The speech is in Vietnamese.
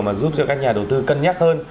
mà giúp cho các nhà đầu tư cân nhắc hơn